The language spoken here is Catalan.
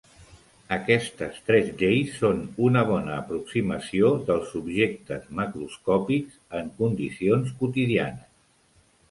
Aquestes tres lleis són una bona aproximació dels objectes macroscòpics en condicions quotidianes.